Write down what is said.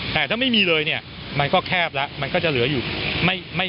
แต่ถ้าไม่มีเลยเนี่ยมันก็แคบแล้วมันก็จะเหลืออยู่